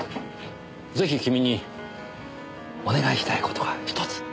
ぜひ君にお願いしたい事がひとつ。